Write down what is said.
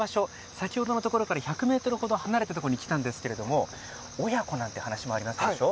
先程のところから１００ｍ程離れたところに来たんですけれども親子なんていう話もありましたね。